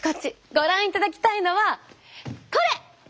ご覧いただきたいのはこれ！